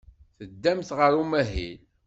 Teddamt ɣer umahil.